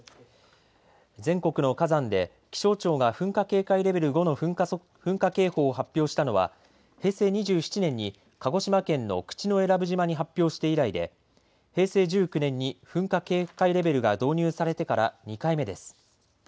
全国の火山で気象庁が噴火警戒レベル５の噴火警報を発表したのは平成２７年に鹿児島県の口永良部島に発表して以来で平成１９年に噴火警戒レベルが導入されてから２回目です。